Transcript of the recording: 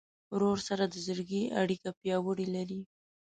ورور سره د زړګي اړیکه پیاوړې لرې.